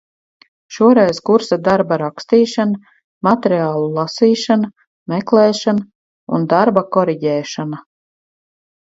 Šoreiz kursa darba rakstīšana, materiālu lasīšana, meklēšana un darba koriģēšana.